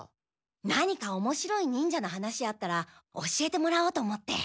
何かおもしろい忍者の話あったら教えてもらおうと思って。